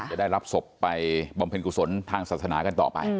จะได้รับศพไปบำเพ็ญกุศลทางศาสนากันต่อไป